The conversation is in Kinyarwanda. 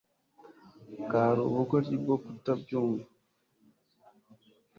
bwari ubugoryi bwo kutabyumva